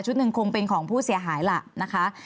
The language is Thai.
หนึ่งคงเป็นของผู้เสียหายล่ะนะคะ